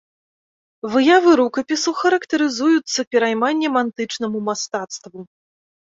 Выявы рукапісу характарызуюцца перайманнем антычнаму мастацтву.